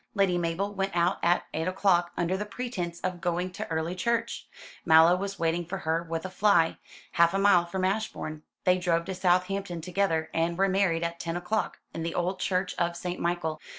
Lady Mabel went out at eight o'clock, under the pretence of going to early church. Mallow was waiting for her with a fly, half a mile from Ashbourne. They drove to Southampton together, and were married at ten o'clock, in the old church of St. Michael.